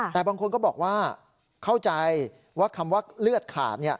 แต่บางคนก็บอกว่าเข้าใจว่าคำว่าเลือดขาด